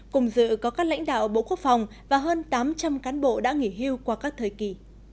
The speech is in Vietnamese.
cùng dự có các lãnh đạo bộ quốc phòng và hơn tám trăm linh cán bộ đã nghỉ hưu qua các thời kỳ